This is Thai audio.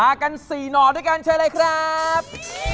มากันสี่หนอดด้วยกันเชิดเลยครับ